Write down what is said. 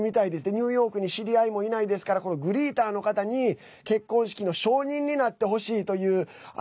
ニューヨークに知り合いもいないですからグリーターの方に、結婚式の証人になってほしいという。